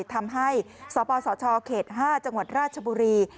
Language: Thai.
ทำให้สปสชเขต๕จังหวัดราชบุรี